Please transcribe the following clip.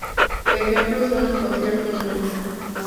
Ejemplos son el Concierto No.